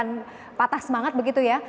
mereka akan patah semangat begitu ya